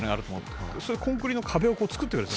コンクリの壁を作ってくれる。